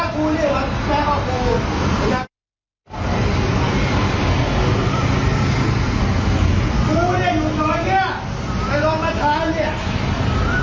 กูเนี่ยอยู่ตอนเนี่ยน่ะลองมาทางเนี่ย